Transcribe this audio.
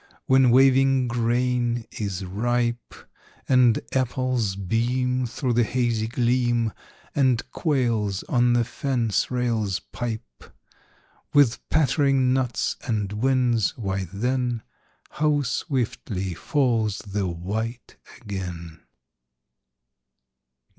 When waving grain is ripe, And apples beam Through the hazy gleam, And quails on the fence rails pipe; With pattering nuts and winds,—why then, How swiftly falls the white again!